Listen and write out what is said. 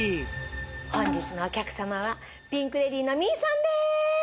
本日のお客様はピンク・レディーの未唯さんです！